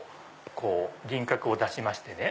こう輪郭を出しましてね。